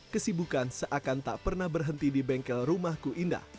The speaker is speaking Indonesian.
kesibukan seakan tak pernah berhenti di bengkel rumahku indah